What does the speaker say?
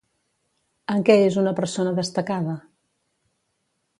En què és una persona destacada?